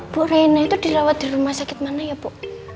bu rena itu dirawat di rumah sakit mana ya bu